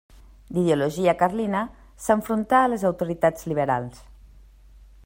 D’ideologia carlina, s’enfrontà a les autoritats liberals.